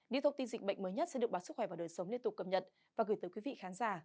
những thông tin dịch bệnh mới nhất sẽ được báo sức khỏe và đời sống liên tục cập nhật và gửi tới quý vị khán giả